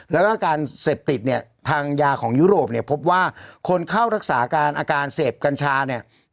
แล้วก็การเสพติดเนี่ยทางยาของยุโรปเนี่ยพบว่าคนเข้ารักษาการอาการเสพกัญชาเนี่ย